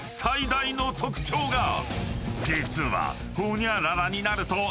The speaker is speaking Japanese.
［実は］